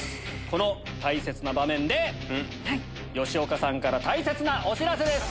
この大切な場面で吉岡さんから大切なお知らせです！